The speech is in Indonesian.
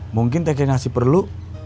mungkin tekinasi perlu